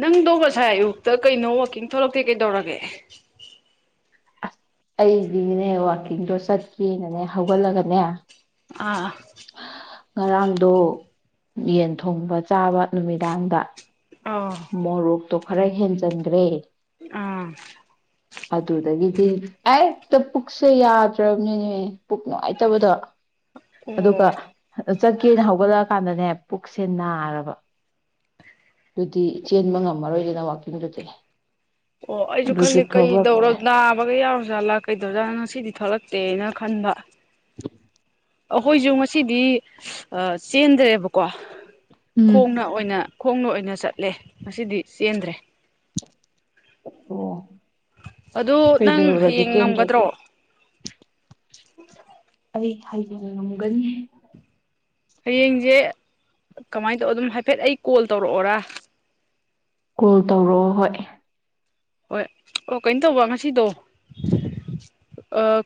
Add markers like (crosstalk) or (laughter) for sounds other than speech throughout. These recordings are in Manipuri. ꯅꯪꯗꯣ ꯉꯁꯥꯏ ꯑꯌꯨꯛꯇ ꯀꯩꯅꯣ ꯋꯥꯋꯥꯛꯀꯤꯡ ꯊꯂꯛꯇꯦ ꯀꯩꯗꯧꯔꯒꯦ ꯑꯁ ꯑꯩꯗꯤꯅꯦ ꯋꯥꯛꯀꯤꯡꯗꯣ ꯆꯠꯀꯦꯅꯅꯦ ꯍꯧꯒꯠꯂꯒꯅꯦ ꯑꯥ ꯉꯔꯥꯡꯗꯣ ꯌꯦꯟ ꯊꯣꯡꯕ ꯆꯥꯕ ꯅꯨꯃꯤꯗꯥꯡꯗ ꯑꯥ ꯃꯣꯔꯨꯞ ꯇꯣ ꯈꯔ ꯍꯦꯟꯖꯤꯟꯈ꯭ꯔꯦ ꯑꯥ ꯑꯗꯨꯗꯗꯒꯤꯗꯤ ꯑ ꯍꯛꯇ ꯄꯨꯛꯁꯦ ꯌꯥꯗ꯭ꯔꯕꯅꯤꯅꯦ ꯄꯨꯛ ꯅꯨꯡꯉꯥꯏꯇꯕꯗꯣ ꯑꯣ ꯑꯗ ꯆꯠꯀꯦꯅ ꯍꯧꯒꯠꯂꯛꯑꯀꯥꯟꯗꯅꯦ ꯄꯨꯛꯁꯦ ꯅꯥꯔꯕ ꯑꯗꯨꯗꯤ ꯆꯦꯟꯕ ꯉꯝꯃꯔꯣꯏꯗꯅ ꯋꯥꯛꯀꯤꯡꯗꯨꯗꯤ ꯑꯣ ꯑꯩꯁꯨ ꯑꯗꯨꯒꯤ ꯈꯜꯂꯤꯦ ꯀꯩꯗꯧꯔꯣ ꯊꯣꯛꯂꯛꯇ꯭ꯔꯦ ꯅꯥꯕꯒ ꯌꯥꯎꯔ ꯖꯥꯠꯂꯥ ꯀꯩꯗꯧꯖꯥꯠꯂꯣ ꯉꯁꯤꯗꯤ ꯊꯣꯛꯂꯛꯦ ꯇꯦꯅ ꯈꯟꯕ (unintelligible) ꯑꯩꯈꯣꯏꯁꯨ ꯉꯁꯤꯗꯤ ꯆꯦꯟꯗ꯭ꯔꯦꯕꯀꯣ ꯎꯝ ꯈꯣꯡꯅ ꯑꯣꯏꯅ ꯈꯣꯡꯅ ꯑꯣꯏꯅ ꯆꯠ ꯂꯩ ꯉꯁꯤꯗꯤ ꯆꯦꯟꯗ꯭ꯔꯦ ꯑꯣ ꯑꯗꯨ ꯅꯪ ꯀꯩꯗꯧꯔꯒꯦ ꯍꯌꯦꯡ ꯆꯦꯟꯗ꯭ꯔꯗꯤ ꯉꯝꯒꯗ꯭ꯔꯣ (unintelligible) ꯑꯩ ꯍꯥꯏꯖ ꯉꯝꯒꯅꯤ ꯍꯌꯦꯡꯁꯦ ꯀꯃꯥꯏꯅ ꯇꯧ ꯑꯗꯨꯝ ꯍꯥꯏꯐꯦꯠ ꯑꯩ ꯀꯣꯜ ꯇꯧꯔꯛꯑꯣꯔ ꯀꯣꯜ ꯇꯧꯔꯛꯑꯣ ꯍꯣꯏ ꯍꯣꯏ ꯑꯣ ꯀꯩꯅꯣ ꯇꯧꯕ ꯉꯁꯤꯗꯣ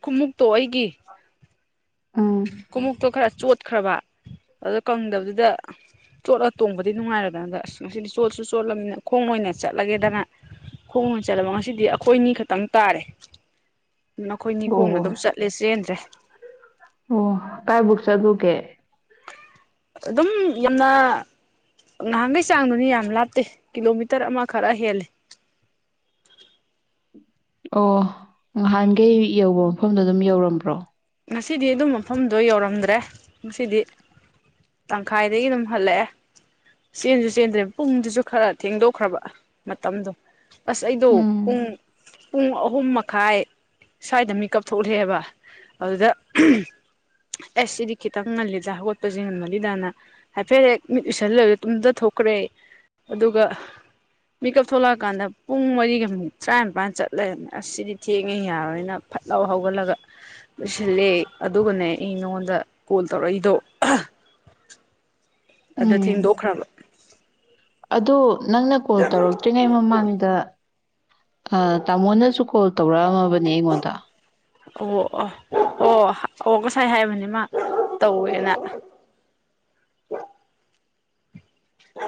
ꯈꯨꯃꯨꯛꯇꯣ ꯑꯩꯒꯤ ꯎꯝ ꯀꯨꯃꯨꯛꯛꯇꯣ ꯈꯔ ꯆꯠ ꯆꯠꯈ꯭ꯔꯕ ꯑꯗꯨꯗ ꯀꯪꯗꯕꯗꯨꯗ ꯆꯣꯠꯂ ꯇꯣꯡꯕꯗꯤ ꯅꯨꯡꯉꯥꯏꯔꯗꯅꯗ ꯑꯁ ꯉꯁꯤꯗꯤ ꯆꯣꯠꯁꯨ ꯆꯣꯠꯂꯕꯅꯤꯅ ꯈꯣꯡ ꯑꯣꯏꯅ ꯆꯠꯂꯒꯦꯗꯅ ꯈꯣꯡ ꯑꯣꯏꯅ ꯆꯠꯂꯕ ꯉꯁꯤꯗꯤ ꯑꯩꯈꯣꯏꯅꯤ ꯈꯛꯇꯪ ꯇꯥꯔꯦ ꯅꯈꯣꯏ ꯅꯤꯈꯣꯡꯅ ꯑꯣ ꯑꯗꯨꯝ ꯆꯠꯂꯦ ꯆꯦꯟꯗ꯭ꯔꯦ ꯀꯥꯏ ꯕꯨꯛꯁ ꯨ ꯀꯦ ꯑꯗꯨꯝ ꯌꯥꯝꯅ ꯅꯍꯥꯟꯒꯩ ꯆꯥꯡꯗꯨꯅꯤ ꯌꯥꯝ ꯂꯥꯞꯇꯦ ꯀꯤꯂꯣꯃꯤꯇꯔ ꯑꯃ ꯈꯔ ꯍꯦꯜꯂꯦ ꯑꯣ ꯅꯍꯥꯟꯈꯩ ꯌꯧꯕ ꯃꯐꯝꯗꯣ ꯑꯗꯨꯝ ꯌꯧꯔꯝꯕ꯭ꯔꯣ ꯉꯁꯤꯗꯤ ꯑꯗꯨꯝ ꯃꯐꯝꯗꯣ ꯌꯧꯔꯝꯗ꯭ꯔꯦ ꯉꯁꯤꯗꯤ ꯇꯪꯈꯥꯏꯗꯒꯤ ꯑꯗꯨꯝ ꯍꯜꯂꯛꯑꯦ ꯆꯦꯟꯁꯨ ꯆꯦꯟꯗ꯭ꯔꯦ ꯄꯨꯡꯗꯨꯁꯨ ꯈꯔ ꯊꯦꯡꯗꯣꯛꯈ꯭ꯔꯕ ꯃꯇꯝꯗꯣ ꯑꯁ ꯑꯩꯗꯣ ꯎꯝ ꯄꯨꯡ ꯄꯨꯡ ꯑꯍꯨꯝ ꯃꯈꯥꯏ ꯁ꯭ꯋꯥꯏꯗ ꯃꯤꯀꯞ ꯊꯣꯛꯂꯑꯦꯕ ꯑꯗꯨꯗ ꯑꯁ ꯁꯤꯗꯤ ꯈꯤꯇꯪ ꯉꯜꯂꯤꯗ ꯍꯧꯒꯠꯄꯁꯦ ꯉꯃꯜꯂꯤꯗꯥꯅ ꯍꯥꯏꯐꯦꯠ ꯍꯦꯛ ꯃꯤꯠ ꯎꯏꯁꯜꯂꯕ ꯇꯨꯡꯗ ꯊꯣꯛꯈ꯭ꯔꯦ ꯑꯗꯨꯒ ꯃꯤꯀꯞ ꯊꯣꯛꯂꯛꯑꯀꯥꯟꯗ ꯄꯨꯡ ꯃꯔꯤꯒ ꯃꯤꯅꯤꯠ ꯇꯔꯥꯅꯤꯄꯥꯟ ꯆꯠꯂꯦꯅ ꯑ ꯁꯤꯗꯤ ꯊꯦꯡꯉꯦ ꯌꯥꯔꯣꯏꯅ ꯐꯠ ꯂꯥꯎ ꯍꯧꯒꯠꯂꯒ ꯂꯣꯏꯁꯤꯜꯂꯦ ꯑꯗꯨꯒꯅꯦ ꯑꯩ ꯅꯉꯣꯟꯗ ꯀꯣꯜ ꯇꯧꯔꯛꯏꯗꯣ ꯑꯗ ꯊꯤꯡꯗꯣꯈ꯭ꯔꯕ ꯑꯗꯨꯗꯣ ꯅꯪꯅ ꯀꯣꯜ ꯇꯧꯔꯛꯇ꯭ꯔꯤꯉꯩ ꯃꯃꯥꯡꯗ ꯇꯥꯃꯣꯅꯁꯨ ꯀꯣꯜ ꯇꯧꯔꯛꯑꯝꯃꯕꯅꯦ ꯑꯩꯉꯣꯟꯗ ꯑꯣ ꯑꯣ ꯑꯣ ꯑꯣ ꯉꯁꯥꯏ ꯍꯥꯏꯕꯅꯤꯃ ꯇꯧꯋꯦꯅ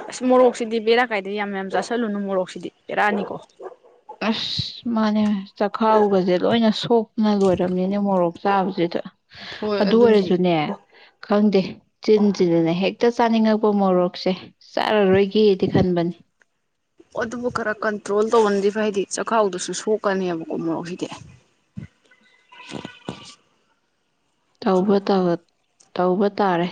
ꯑꯁ ꯃꯣꯔꯣꯛꯁꯤꯗꯤ ꯕꯦꯔꯥ ꯀꯥꯏꯗ ꯌꯥꯝ ꯃ ꯌꯥꯝ ꯆꯥꯥꯁꯜꯂꯨꯅꯨ ꯃꯣꯔꯣꯛꯁꯤꯗꯤ ꯕꯦꯔꯥꯑꯅꯤꯀꯣ ꯑꯁ ꯃꯥꯅꯦ ꯆꯈꯥꯎꯒꯁꯦ ꯂꯣꯏꯅ ꯁꯣꯛꯅ ꯂꯣꯏꯔꯕꯝꯅꯤꯅꯦ ꯃꯣꯔꯣꯛ ꯆꯥꯕꯁꯤꯗ ꯍꯣꯏ ꯑꯗꯨ ꯑꯗꯨꯅꯦ ꯑꯣꯏꯔꯁꯨꯅꯦ ꯈꯪꯗꯦ ꯆꯤꯟꯁꯤꯗꯅꯦ ꯍꯦꯛ ꯍꯦꯛꯇ ꯆꯥꯅꯤꯡꯉꯛꯄ ꯃꯣꯔꯣꯛꯁꯦ ꯆꯥꯔꯔꯣꯏꯒꯦꯗꯤ ꯈꯟꯕꯅꯤ ꯁ ꯍꯥꯏꯗꯤ ꯆꯥꯛꯈꯥꯎꯗꯨꯁꯨ ꯁꯣꯛꯀꯅꯦꯕꯀꯣ ꯃꯣꯔꯣꯛꯁꯤꯗꯤ ꯇꯥꯎꯧꯕ ꯇꯕ ꯇꯧꯕ ꯇꯥꯔꯦ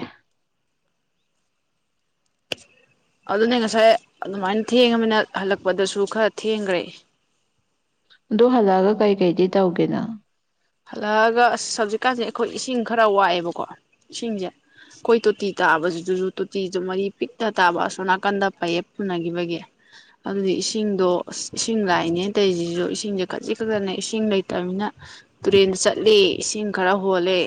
ꯑꯗꯨꯅꯦ ꯉꯁꯥꯏ ꯑꯗꯨꯃꯥꯏꯅ ꯊꯦꯡꯉꯃꯤꯅ ꯍꯜꯂꯛꯄꯗꯁꯨ ꯈꯔ ꯊꯦꯡꯈ꯭ꯔꯦ ꯑꯗꯨ ꯍꯜꯂꯛꯑꯒ ꯀꯩꯀꯩꯗꯤ ꯇꯧꯒꯦꯅ ꯍꯜꯂꯛꯑꯒ ꯑꯁ ꯍꯧꯖꯤꯛꯀꯥꯟꯁꯦ ꯑꯩꯈꯣꯏ ꯏꯁꯤꯡ ꯈꯔ ꯋꯥꯠꯑꯦꯕꯀꯣ ꯏꯁꯤꯡꯁꯦ ꯑꯩꯈꯣꯏ ꯇꯣꯇꯤ ꯇꯥꯕꯁꯤꯗꯁꯨ ꯇꯣꯇꯤꯁꯨ ꯃꯔꯤ ꯄꯤꯛꯇ ꯇꯥꯕ ꯑꯁꯣ ꯅꯥꯀꯟꯗ ꯄꯌꯦꯞ ꯄꯨꯅꯈꯤꯕꯒꯤ ꯑꯗꯨꯗꯤ ꯏꯁꯤꯡꯗꯣ ꯑꯁ ꯏꯁꯤꯡ ꯂꯥꯛꯏꯅꯦ ꯇꯧꯔꯤꯁꯤꯁꯨ ꯏꯁꯤꯡꯁꯦ ꯈꯖꯤꯛ ꯈꯛꯇꯅꯦ ꯏꯁꯤꯡ ꯂꯩꯇꯅꯤꯅ ꯇꯨꯔꯦꯟꯗ ꯆꯠꯂꯤ ꯏꯁꯤꯡ ꯈꯔ ꯍꯣꯜꯂꯤꯦ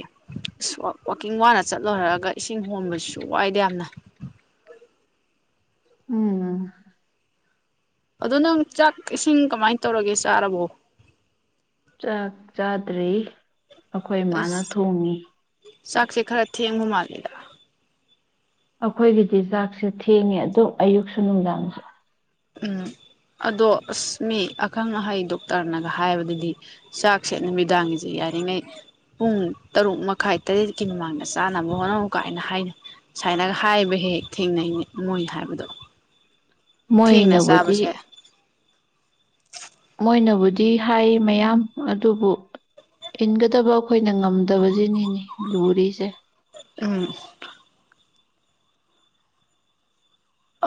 ꯑꯁ ꯋꯥꯛꯀꯤꯡ ꯋꯥꯅ ꯆꯠꯂꯣꯏꯔꯑꯒ ꯏꯁꯤꯡ ꯍꯣꯟꯕꯁꯨ ꯋꯥꯏꯗ ꯌꯥꯝꯅ ꯎꯝ ꯑꯗ ꯅꯪ ꯆꯥꯛ ꯏꯁꯤꯡ ꯀꯃꯥꯏꯅ ꯇꯧꯔꯒꯦ ꯆꯥꯔꯕꯣ ꯆꯥꯛ ꯆꯥꯗ꯭ꯔꯤ ꯑꯩꯈꯣꯏ ꯃꯥꯅ ꯑꯁ ꯊꯣꯡꯉꯤ ꯌꯦꯡꯉꯨ ꯃꯥꯥꯡꯂꯗ ꯑꯩꯈꯣꯏꯒꯤꯗꯤ ꯆꯥꯛꯁꯦ ꯊꯦꯡꯉꯦ ꯑꯗꯣ ꯑꯌꯨꯛꯁꯨ ꯅꯨꯡꯗꯥꯡꯁꯦ ꯎꯝ ꯑꯗꯣ ꯑꯁ ꯃꯤ ꯑꯈꯪ ꯑꯍꯩ ꯗꯣꯛꯇꯔꯅꯒ ꯍꯥꯏꯕꯗꯗꯤ ꯆꯥꯛꯁꯦ ꯅꯨꯃꯤꯗꯥꯡꯒꯤꯁꯦ ꯌꯥꯔꯤꯉꯩ ꯄꯨꯡ ꯇꯔꯨꯛ ꯃꯈꯥꯏ ꯇꯔꯦꯠꯀꯤ ꯃꯃꯥꯡꯗ ꯆꯥꯅꯕ ꯍꯣꯠꯅꯧꯨ ꯀꯥꯏꯅ ꯍꯥꯏꯅꯩ ꯁꯨꯃꯥꯏꯅꯒ ꯍꯥꯏꯕ ꯍꯦꯛ ꯍꯦꯛ ꯊꯦꯡꯅꯩ ꯃꯣꯏ ꯍꯥꯏꯕꯗꯣ ꯊꯦꯡꯅ ꯃꯣꯏꯩꯅꯕꯨꯗꯤ ꯆꯥꯕꯁꯦ ꯃꯣꯏꯅꯕꯨꯗꯤ ꯍꯥꯏ ꯃꯌꯥꯝ ꯑꯗꯨꯕꯨ ꯏꯟꯒꯗꯕ ꯑꯩꯈꯣꯏꯅ ꯉꯝꯗꯕꯁꯤꯅꯤꯅꯤ ꯂꯨꯔꯤꯁꯦ ꯎꯝ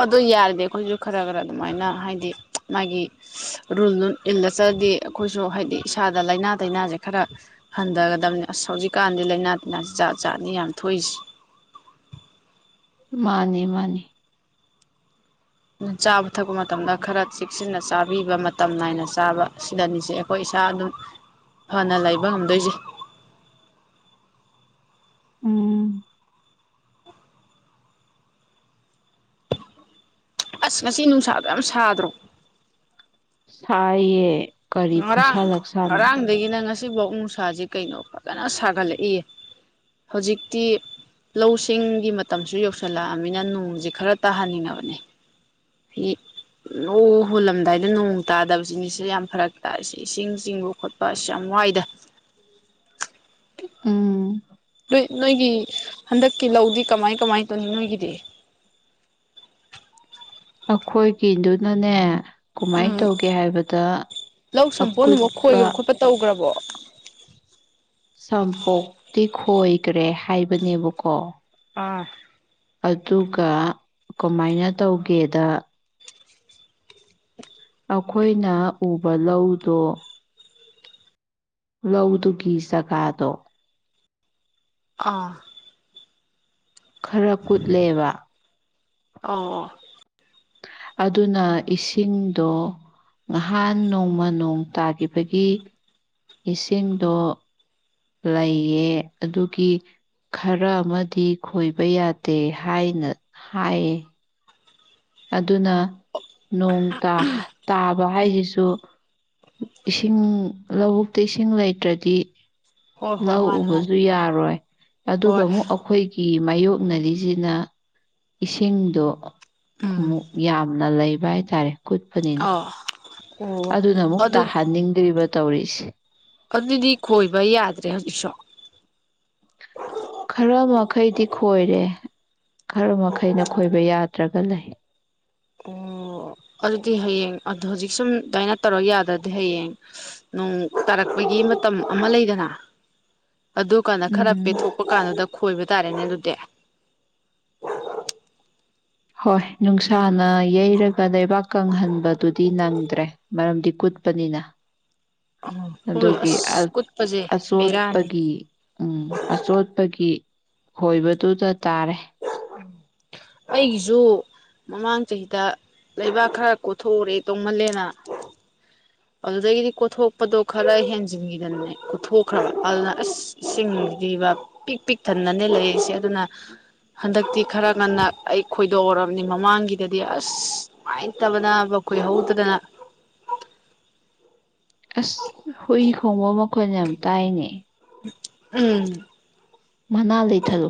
ꯑꯗꯨ ꯌꯥꯔꯗꯤ ꯑꯩꯈꯣꯏꯁꯨ ꯈꯔ ꯈꯔ ꯑꯗꯨꯃꯥꯏꯅ ꯍꯥꯏꯗꯤ ꯃꯥꯒꯤ ꯔꯨꯜ ꯏꯜꯂ ꯆ꯭ꯔꯗꯤ ꯑꯩꯈꯣꯏꯁꯨ ꯍꯥꯏꯗꯤ ꯏꯁꯥꯗ ꯂꯥꯏꯅꯥ ꯇꯤꯟꯅꯥꯁꯦ ꯈꯔ ꯍꯟꯊꯒꯗꯝꯕꯅꯤ ꯑꯁ ꯍꯧꯖꯤꯛꯀꯥꯟꯗꯤ ꯂꯥꯏꯅꯥ ꯇꯤꯟꯅꯥꯁꯦ ꯆꯥ ꯆꯥꯅꯤ ꯌꯥꯝ ꯊꯣꯛꯏꯁꯦ ꯃꯥꯅꯦ ꯃꯥꯅꯦ ꯑꯗꯨ ꯆꯥꯕ ꯊꯛꯄ ꯃꯇꯝꯗ ꯈꯔ ꯆꯦꯛꯁꯤꯟꯅ ꯆꯥꯕꯤꯕ ꯃꯇꯝ ꯅꯥꯏꯅ ꯆꯥꯕ ꯁꯤꯗꯅꯤꯁꯦ ꯑꯩꯈꯣꯏ ꯏꯁꯥ ꯑꯗꯨꯝ ꯐꯅ ꯂꯩꯕ ꯉꯝꯗꯣꯏꯁꯦ ꯎꯝ ꯑꯁ ꯉꯁꯤ ꯅꯨꯡꯁꯥꯗꯣ ꯌꯥꯝ ꯁꯥꯗ꯭ꯔꯣ ꯁꯥꯏꯌꯦ ꯀꯔꯤ ꯉꯔꯥꯡ ꯈꯨꯠꯁꯥ ꯂꯛꯁꯥꯅꯣ ꯉꯔꯥꯡꯗꯒꯤꯅ ꯉꯁꯤ ꯍꯧꯖꯤꯛꯐꯥꯎ ꯅꯨꯡꯁꯥꯁ ꯀꯩꯅꯣ ꯐꯖꯅ ꯁꯥꯒꯠꯂꯛꯏ ꯍꯧꯖꯤꯛꯇꯤ ꯂꯧ ꯁꯤꯡꯒꯤ ꯃꯇꯝꯁꯨ ꯌꯧꯁꯤꯜꯂꯛꯑꯅꯤꯅ ꯅꯣꯡꯁꯦ ꯈꯔ ꯇꯥꯍꯟꯅꯤꯡꯉꯕꯅꯤ ꯅꯣꯡ ꯍꯨꯜꯂꯝꯗꯥꯏꯗ ꯅꯣꯡ ꯇꯥꯗꯕꯁꯤꯅꯤꯁꯨ ꯌꯥꯝ ꯐꯔꯛ ꯇꯥ ꯁꯤ ꯏꯁꯤꯡ ꯆꯤꯡꯕ ꯈꯣꯠꯄ ꯑ ꯌꯥꯝ ꯋꯥꯏꯗ ꯎꯝ ꯅꯣꯏ ꯅꯣꯏꯒꯤ ꯍꯟꯗꯛꯀꯤ ꯂꯧꯗꯤ ꯀꯃꯥꯏ ꯀꯃꯥꯏ ꯑꯗꯨꯅꯤ ꯅꯣꯏꯒꯤꯗꯤ ꯑꯩꯈꯣꯏꯒꯤꯗꯨꯅꯅꯦ ꯎꯝ ꯀꯃꯥꯏꯅ ꯇꯧꯒꯦ ꯍꯥꯏꯕꯗ ꯂꯧ ꯁꯝꯄꯣꯟꯕ ꯑꯀꯨꯠꯄ ꯈꯣꯏꯕ ꯈꯣꯠꯄ ꯇꯧꯈ꯭ꯔꯕꯣ ꯁꯝꯄꯣꯛꯇꯤ ꯈꯣꯏꯈ꯭ꯔꯦ ꯍꯥꯏꯕꯅꯦꯕꯀꯣ ꯑꯥ ꯑꯗꯨꯒ ꯀꯃꯥꯏꯅ ꯇꯧꯒꯦꯗ ꯑꯩꯈꯣꯏꯅ ꯎꯕ ꯂꯧꯗꯣ ꯔꯧꯎ ꯇꯨ ꯀ ꯁꯀꯥꯗꯣ ꯑꯥ ꯈꯔ ꯀꯨꯠꯂꯦꯕ ꯑꯣ ꯑꯗꯨꯅ ꯏꯁꯤꯡꯗꯣ ꯉꯍꯥꯟ ꯅꯣꯡꯃ ꯅꯣꯡ ꯇꯥꯈꯤꯕꯒꯤ ꯏꯁꯤꯡꯗꯣ ꯂꯩꯑ ꯑꯗꯨꯒꯤ ꯈꯔ ꯑꯃꯗꯤ ꯈꯣꯏꯕ ꯌꯥꯗꯦ ꯍꯥꯏꯅ ꯍꯥꯏꯌꯦ ꯑꯗꯨꯅ ꯅꯣꯡ ꯇꯥꯕ ꯍꯥꯏꯁꯤꯁꯨ ꯏꯁꯤꯡ ꯂꯧꯕꯨꯛꯇ ꯏꯁꯤꯡ ꯂꯩꯇ꯭ꯔꯗꯤ ꯍꯣꯏ ꯍꯣꯏ ꯂꯧ ꯃꯥꯅꯦ ꯃꯥꯅꯦ ꯎꯕꯁꯨ ꯌꯥꯔꯣꯏ ꯑꯗꯨꯒ ꯍꯣꯏ ꯑꯃꯨꯛ ꯑꯩꯈꯣꯏꯒꯤ ꯀꯤ ꯃꯥꯌꯣꯛꯅꯔꯤꯁꯤꯅ ꯏꯁꯤꯡꯗꯣ ꯎꯝ ꯎ ꯌꯥꯝꯅ ꯂꯩ ꯚꯥꯏ ꯇꯥꯔꯦ ꯀꯨꯠꯄꯅꯤꯅ ꯑꯥ ꯑꯣ ꯑꯗꯨꯅ ꯑꯃꯨꯛ ꯑꯗꯨ ꯇꯥꯍꯟꯅꯤꯡꯗ꯭ꯔꯤꯕ ꯇꯧꯔꯤꯁꯦ ꯑꯗꯨꯗꯤ ꯈꯣꯏꯕ ꯌꯥꯗ꯭ꯔꯦ ꯍꯧꯖꯤꯛꯁꯣ ꯈꯔ ꯃꯈꯩꯗꯤ ꯈꯣꯏꯔꯦ ꯈꯔ ꯃꯈꯩꯅ ꯈꯣꯏꯕ ꯌꯥꯗ꯭ꯔꯒ ꯂꯩ ꯑꯣ ꯑꯗꯨꯗꯤ ꯍꯌꯦꯡ ꯑꯗꯨ ꯍꯧꯖꯤꯛ ꯁꯨꯝ ꯑꯗꯨꯃꯥꯏꯅ ꯇꯧꯔ ꯌꯥꯗ꯭ꯔꯗꯤ ꯍꯌꯦꯡ ꯅꯣꯡ ꯇꯥꯔꯛꯄꯒꯤ ꯃꯇꯝ ꯑꯃ ꯂꯩꯗꯅ ꯑꯗꯨ ꯀꯥꯟꯗ ꯈꯔ ꯎꯝ ꯄꯦꯊꯣꯛꯄ ꯀꯥꯟꯗꯨꯗ ꯈꯣꯏꯕꯗ ꯇꯔꯦꯅ ꯑꯗꯨꯗꯨꯗꯦ ꯍꯣꯏ ꯅꯨꯡꯁꯥꯅ ꯌꯩꯔꯒ ꯂꯩꯕꯥꯛ ꯀꯪꯍꯟꯕꯗꯨꯗꯤ ꯅꯪꯗ꯭ꯔꯦ ꯃꯔꯝꯗꯤ ꯀꯨꯠꯄꯅꯤꯅ ꯍꯣꯏ ꯑꯗꯨꯒꯤ ꯑꯁ ꯀꯨꯠꯄꯁꯦ ꯕꯦꯔꯥꯅꯤ ꯑꯆꯣꯠꯄꯒꯤ ꯎꯝ ꯑꯆꯣꯠꯄꯒꯤ ꯍꯣꯏꯕꯗꯨꯨ ꯇ ꯇꯥꯔꯦ ꯎꯝ ꯑꯩꯒꯤꯁꯨ ꯃꯃꯥꯡ ꯆꯍꯤꯗ ꯂꯩꯕꯥꯛ ꯈꯔ ꯀꯣꯊꯣꯛꯎꯔꯦ ꯇꯧꯃꯜꯂꯦꯅ ꯑꯗꯨꯗꯒꯤꯗꯤ ꯀꯣꯊꯣꯛꯄꯗꯣ ꯈꯔ ꯍꯦꯟꯖꯤꯟꯈꯤꯗꯅꯦ ꯀꯣꯊꯣꯛꯈ꯭ꯔꯕ ꯑꯗꯨꯅ ꯑꯁ ꯆꯤꯡꯈꯤꯕ ꯄꯤꯛ ꯄꯤꯛ ꯊꯟꯅꯗꯅꯦ ꯂꯩꯔꯤꯁꯦ ꯑꯗꯨꯅ ꯍꯟꯗꯛꯇꯤ ꯈꯔ ꯉꯟꯅ ꯑꯩ ꯈꯣꯏꯗꯣꯛꯎꯔꯕꯅꯤ ꯃꯃꯥꯡꯒꯤꯗꯗꯤ ꯑꯁ ꯅꯨꯡꯉꯥꯏꯇꯕꯅ ꯈꯣꯏꯍꯧꯗꯗꯅ ꯑꯁ ꯍꯨꯏ ꯈꯣꯡꯕ ꯃꯈꯣꯟ ꯌꯥꯝ ꯇꯥꯏꯅꯦ ꯎꯝ ꯃꯅꯥ ꯂꯩꯊꯂꯨ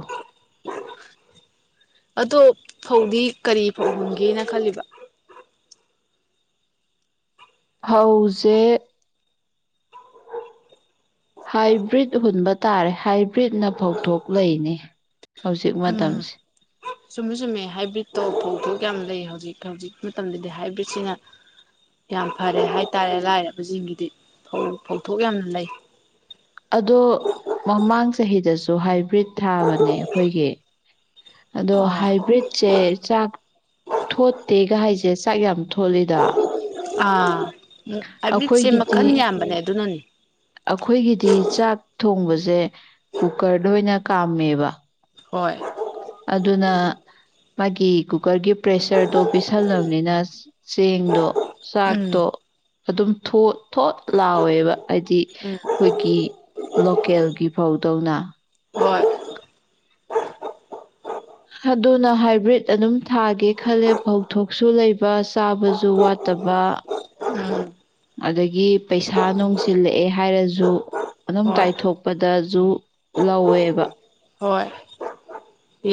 ꯑꯗꯣ ꯐꯧꯗꯤ ꯀꯔꯤ ꯐꯧꯒꯝꯒꯦꯅ ꯈꯜꯂꯤꯕ ꯍꯧꯥꯎꯁꯦ ꯍꯥꯏꯕ꯭ꯔꯤꯠ ꯍꯨꯟꯕ ꯇꯥꯔꯦ ꯍꯥꯏ ꯐ꯭ꯔꯤꯠꯅ ꯐꯧꯊꯣꯛ ꯂꯩꯅꯤ ꯍꯧꯖꯤꯛ ꯃꯇꯝꯁꯦ ꯁꯨꯝꯃꯦ ꯆꯨꯝꯃꯦ ꯍꯥꯏꯕ꯭ꯔꯤꯠꯇꯣ ꯐꯧꯊꯣꯛ ꯌꯥꯝ ꯂꯩ ꯍꯧꯖꯤꯛ ꯍꯧꯖꯤꯛ ꯃꯇꯝꯗꯗꯤ ꯍꯥꯏꯕ꯭ꯔꯤꯠꯁꯤꯅ ꯌꯥꯝ ꯐꯔꯦ ꯍꯥꯏꯇꯥꯔꯦ ꯂꯥꯏꯔꯕꯁꯤꯡꯒꯤꯗꯤ ꯐꯧꯊꯣꯛ ꯌꯥꯝꯅ ꯂꯩ ꯑꯗꯣ ꯃꯃꯥꯡ ꯆꯍꯤꯗꯁꯨ ꯍꯥꯏꯕ꯭ꯔꯤꯠ ꯊꯥꯕꯅꯦ ꯑꯩꯈꯣꯏꯒꯤ ꯑꯗꯣ ꯑꯥ ꯍꯥꯏꯕ꯭ꯔꯤꯠꯁꯦ ꯆꯥꯛ ꯊꯣꯠꯇꯦ ꯒ ꯍꯥꯏꯁꯦ ꯆꯥꯛ ꯌꯥꯝ ꯊꯣꯂꯤꯗ ꯑꯥ ꯍꯥꯏꯕ꯭ꯔꯤꯠꯁꯦ ꯑꯩꯈꯣꯏꯒꯤꯗꯤ ꯃꯈꯜ ꯌꯥꯝꯕꯅꯦ ꯑꯗꯨꯅꯅꯤ ꯑꯩꯈꯣꯏꯒꯤꯗꯤ ꯆꯥꯛ ꯊꯣꯡꯕꯁꯦ ꯁꯦ ꯀꯨꯀꯔꯗ ꯑꯣꯏꯅ ꯑꯣꯏꯅ ꯀꯥꯝꯃꯦꯕ ꯍꯣꯏ ꯑꯗꯨꯅ ꯃꯥꯒꯤ ꯀꯨꯀꯔꯒꯤ ꯄ꯭ꯔꯦꯁꯔꯗꯣ ꯄꯤꯁꯜꯂꯕꯅꯤꯅ ꯆꯦꯡꯗꯣ ꯎꯝ ꯆꯥꯛꯇꯣ ꯑꯗꯨꯝ ꯊꯣꯛꯣ ꯊꯣꯠ ꯂꯥꯎꯋꯦꯕ ꯍꯥꯏꯗꯤ ꯎꯝ ꯑꯩꯈꯣꯏꯒꯤ ꯂꯣꯀꯦꯜꯒꯤ ꯐꯥꯎ ꯀꯧꯅ ꯍꯣꯏ ꯑꯗꯨꯅ ꯍꯥꯏꯕ꯭ꯔꯤꯠ ꯑꯗꯨꯝ ꯊꯥꯒꯦ ꯈꯜꯂꯦ ꯐꯧꯊꯣꯛꯁꯨ ꯂꯩꯕ ꯆꯥꯕꯁꯨ ꯋꯥꯠꯇꯕ ꯎꯝ ꯑꯗꯒꯤ ꯄꯩꯁꯥ ꯅꯨꯡꯁꯤꯜꯂꯛꯑꯦ ꯍꯥꯏꯔꯁꯨ ꯑꯗꯨꯝ ꯍꯣꯏ ꯇꯥꯏꯊꯣꯛꯄꯗꯁꯨ ꯂꯧꯋꯦꯕ ꯍꯣꯏ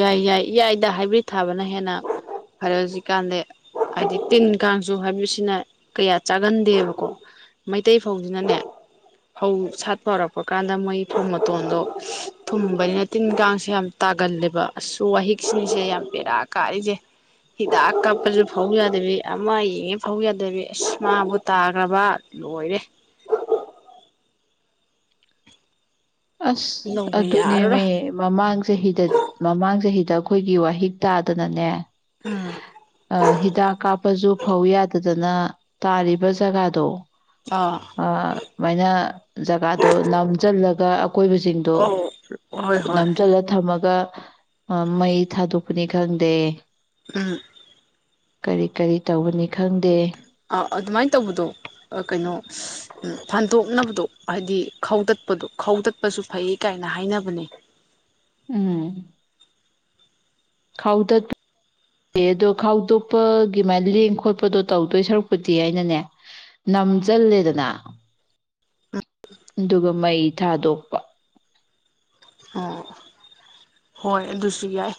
ꯌꯥꯏ ꯌꯥꯏ ꯏꯌꯥꯏꯗ ꯍꯥꯏꯕ꯭ꯔꯤꯠ ꯊꯥꯕꯅ ꯍꯦꯟꯅ ꯐꯔꯦ ꯍꯧꯖꯤꯛꯀꯥꯟꯗꯤ ꯍꯥꯏꯗꯤ ꯇꯤꯟ ꯀꯥꯡꯁꯨ ꯍꯥꯏꯕ꯭ꯔꯤꯠꯁꯤꯅ ꯀꯌꯥ ꯆꯥꯒꯟꯗꯦꯕꯀꯣ ꯃꯩꯇꯩ ꯐꯥꯎꯁꯤꯅꯅꯦ ꯐꯧ ꯁꯥꯠꯄ ꯍꯧꯔꯛꯄ ꯀꯥꯟꯗ ꯃꯣꯏ ꯐꯧ ꯃꯇꯣꯟꯗꯣ ꯊꯨꯝꯕꯅꯤꯅ ꯇꯤꯟ ꯀꯥꯡꯁꯦ ꯌꯥꯝ ꯇꯥꯒꯜꯂꯦꯕ ꯑꯁꯁꯨ ꯋꯥꯍꯤꯛꯁꯤꯅꯤꯁꯦ ꯌꯥꯝ ꯄꯦꯔꯥ ꯀꯥꯔꯤꯁꯦ ꯍꯤꯗꯥꯛ ꯀꯥꯞꯄꯁꯨ ꯐꯧ ꯌꯥꯗꯕꯤ ꯑꯃ ꯌꯦꯡꯉꯦ ꯐꯧ ꯌꯥꯗꯕꯤ ꯑꯁ ꯃꯥꯕꯨ ꯇꯥꯈ꯭ꯔꯕ ꯂꯣꯏꯔꯦ ꯑꯁ ꯂꯧꯕ ꯌꯥꯔꯔꯣꯏ ꯑꯗꯨꯅꯦꯃꯦ ꯃꯃꯥꯡ ꯆꯍꯤꯗ ꯃꯃꯥꯡ ꯆꯍꯤꯗ ꯁꯤꯗ ꯑꯩꯈꯣꯏꯒꯤ ꯋꯥꯍꯤꯛ ꯇꯥꯗꯅꯅꯦ ꯎꯝ ꯑ ꯍꯤꯗꯥ ꯀꯥꯞ ꯄꯖ ꯐꯧ ꯌꯥꯗꯗꯅ ꯇꯥꯔꯤꯕ ꯖꯒꯥꯗꯣ ꯑꯥ ꯑ ꯃꯅ ꯖꯒꯥꯗꯣ ꯅꯝꯁꯤꯜꯂꯒ ꯀ ꯑꯀꯣꯏꯕꯁꯤꯡꯗꯣ ꯑꯧ ꯍꯣꯏ ꯍꯣꯏ ꯅꯝꯁꯤꯜꯂ ꯊꯝꯃꯒ ꯃꯩ ꯊꯥꯗꯣꯛꯄꯅꯤ ꯈꯪꯗꯦ ꯎꯝ ꯀꯔꯤ ꯀꯔꯤ ꯇꯧꯕꯅꯤ ꯈꯪꯗꯦ ꯑꯥ ꯑꯗꯨꯃꯥꯏꯅ ꯇꯧꯕꯗꯣ ꯀꯩꯅꯣ ꯐꯟꯗꯣꯛꯅꯕꯗꯣ ꯍꯥꯏꯗꯤ ꯈꯧꯗꯠꯄꯗꯣ ꯈꯧꯗꯠꯄꯁꯨ ꯐꯩ ꯀꯥꯏꯅ ꯍꯥꯏꯅꯕꯅꯦ ꯎꯝ ꯈꯥꯎꯗꯠꯄ ꯑꯗꯣ ꯈꯥꯎꯗꯣꯛꯄꯒꯤꯃꯥꯏ ꯂꯦꯡ ꯈꯣꯠꯄꯗꯣ ꯇꯧꯗꯣꯏ ꯁꯔꯨꯛꯄꯨꯗꯤ ꯍꯥꯏꯅꯅꯦ ꯅꯝꯁꯤꯜꯂꯦꯗꯅ ꯑꯗꯨꯒ ꯃꯩ ꯊꯥꯗꯣꯛꯄ ꯑꯣ ꯍꯣꯏ ꯑꯗꯨꯁꯨ ꯌꯥꯏ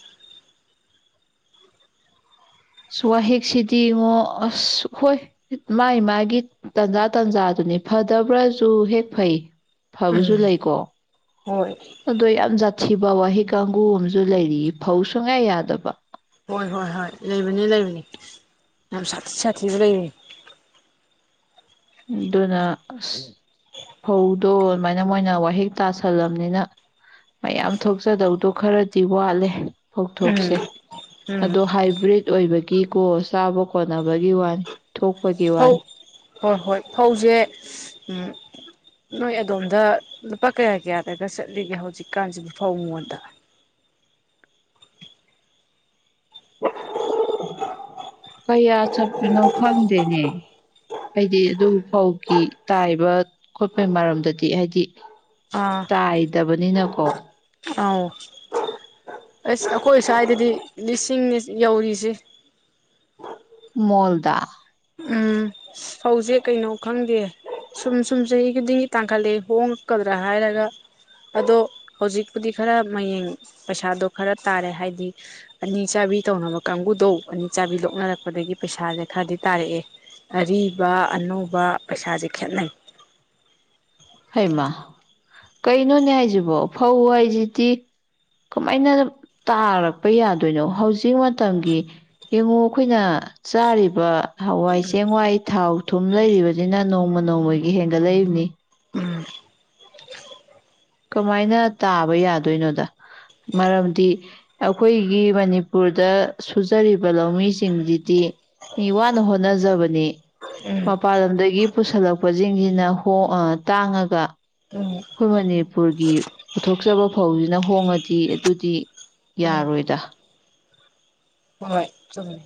ꯑꯁ ꯋꯥꯍꯦꯛꯁꯤꯗꯤ ꯏꯉꯣ ꯑꯁ ꯍꯣꯏ ꯃꯥꯥꯏ ꯃꯥꯒꯤ ꯇꯟꯖꯥ ꯇꯟꯖꯥꯗꯨꯅꯤ ꯐꯗꯕ꯭ꯔꯥꯁꯨ ꯍꯦꯛ ꯐꯩ ꯐꯕꯁꯨ ꯎꯝ ꯂꯩꯀꯣ ꯍꯣꯏ ꯑꯗꯣ ꯌꯥꯝꯠ ꯊꯤꯕ ꯋꯥꯍꯩ ꯀꯥꯡꯒꯨ ꯑꯃꯁꯨ ꯂꯩꯔꯤ ꯐꯧ ꯁꯨꯡꯌꯥ ꯌꯥꯗꯕ ꯍꯣꯏ ꯍꯣꯏ ꯍꯣꯏ ꯂꯩꯕꯅꯤ ꯂꯩꯕꯅꯤ ꯌꯥꯝ ꯁꯥꯊꯤ ꯁꯥꯊꯤꯁꯨ ꯂꯩꯕꯅꯤ ꯑꯗꯨꯅ ꯑꯁ ꯐꯧꯗꯣ ꯑꯗꯨꯃꯥꯏꯅ ꯃꯣꯏꯅ ꯋꯥꯍꯤꯛ ꯇꯥꯁꯜꯂꯝꯕꯅꯤꯅ ꯃꯌꯥꯝ ꯊꯣꯛꯆꯗꯧꯗꯣ ꯈꯔꯗꯤ ꯋꯥꯠꯂꯦ ꯐꯧꯊꯣꯛꯁꯦ ꯎꯝ ꯎꯝ ꯑꯗꯣ ꯍꯥꯏꯕ꯭ꯔꯤꯠ ꯑꯣꯏꯕꯒꯤꯀꯣ ꯆꯥꯕ ꯀꯣꯟꯅꯕꯒꯤ ꯋꯥꯅꯤ ꯊꯣꯛꯄꯒꯤ ꯐꯧ ꯋꯥꯅꯤ ꯍꯣꯏ ꯍꯣꯏ ꯐꯧꯁꯦ ꯅꯣꯏ ꯑꯗꯣꯝꯗ ꯂꯨꯄꯥ ꯀꯌꯥ ꯀꯌꯥꯗꯒ ꯆꯠꯂꯤꯒꯦ ꯍꯧꯖꯤꯛꯀꯥꯟꯁꯤꯕꯨ ꯐꯧ ꯃꯉꯣꯟꯗ ꯀꯌꯥ ꯆꯠꯄꯅꯣ ꯈꯪꯗꯦꯅꯦ ꯍꯥꯏꯗꯤ ꯑꯗꯨ ꯐꯧꯒꯤ ꯇꯥꯏꯕ ꯈꯣꯠꯄꯩ ꯃꯔꯝꯗꯗꯤ ꯍꯥꯏꯗꯤ ꯑꯥ ꯇꯥꯏꯗꯕꯅꯤꯅꯀꯣ ꯑꯧ ꯑꯁ ꯑꯩꯈꯣꯏ ꯁ꯭ꯋꯥꯏꯗꯗꯤ ꯂꯤꯁꯤꯡꯅꯤ ꯌꯧꯔꯤꯁꯦ ꯃꯜꯗꯥ ꯑ ꯐꯧꯁꯦ ꯀꯩꯅꯣ ꯈꯪꯗꯦ ꯁꯨꯝ ꯁꯨꯝ ꯆꯍꯤ ꯈꯨꯗꯤꯡꯒꯤ ꯇꯥꯡꯈꯠꯂꯦ ꯍꯣꯡꯉꯛꯀꯗ꯭ꯔꯥ ꯍꯥꯏꯔꯒ ꯑꯗꯣ ꯍꯧꯖꯤꯛꯄꯨꯗꯤ ꯈꯔ ꯃꯌꯦꯡ ꯄꯩꯁꯥꯗꯣ ꯈꯔ ꯇꯥꯔꯦ ꯍꯥꯏꯗꯤ ꯑꯅꯤ ꯆꯥꯕꯤ ꯇꯧꯅꯕ ꯀꯥꯡꯕꯨꯗꯧ ꯑꯅꯤ ꯆꯥꯕꯤ ꯂꯣꯛꯅꯔꯛꯄꯗꯒꯤ ꯄꯩꯁꯥꯁꯦ ꯈꯔꯗꯤ ꯇꯥꯔꯛꯑꯦ ꯑꯔꯤꯕ ꯑꯅꯧꯕ ꯄꯩꯁꯥꯁꯦ ꯈꯦꯠꯅꯩ ꯍꯩꯃ ꯀꯩꯅꯣꯅꯦ ꯍꯥꯏꯁꯤꯕꯣ ꯐꯧ ꯍꯥꯏꯁꯤꯗꯤ ꯀꯃꯥꯏꯅ ꯇꯥꯔꯛꯄ ꯌꯥꯗꯣꯏꯅꯣ ꯍꯧꯖꯤꯛ ꯃꯇꯝꯒꯤ ꯌꯦꯡꯉꯨ ꯑꯩꯈꯣꯏꯅ ꯆꯥꯔꯤꯕ ꯍꯋꯥꯏ ꯆꯦꯡꯋꯥꯏ ꯊꯥꯎ ꯊꯨꯝ ꯂꯩꯔꯤꯕꯅꯤꯅ ꯅꯣꯡꯃ ꯅꯣꯡꯃꯒꯤ ꯍꯦꯟꯒꯠꯂꯛꯏꯕꯅꯤ ꯎꯝ ꯀꯃꯥꯏꯅ ꯇꯥꯕ ꯌꯥꯗꯣꯏꯅꯣꯗ ꯃꯔꯝꯗꯤ ꯑꯩꯈꯣꯏꯒꯤ ꯃꯅꯤꯄꯨꯔꯗ ꯁꯨꯖꯔꯤꯕ ꯂꯧꯃꯤꯁꯤꯡꯁꯤꯗꯤ ꯋꯥꯅ ꯍꯣꯠꯅꯖꯕꯅꯤ ꯎꯝ ꯃꯄꯥꯟ ꯂꯝꯗꯒꯤ ꯄꯨꯁꯤꯜꯂꯛꯄꯁꯤꯡꯁꯤꯅ ꯇꯥꯡꯉꯒ ꯎꯝ ꯑꯩꯈꯣꯏ ꯃꯅꯤꯄꯨꯔꯒꯤ ꯄꯨꯊꯣꯛꯆꯕ ꯐꯧꯁꯤꯅ ꯍꯣꯡꯉꯗꯤ ꯑꯗꯨꯗꯤ ꯎꯝ ꯌꯥꯔꯣꯏꯗ ꯍꯣꯏ ꯆꯨꯝꯃꯦ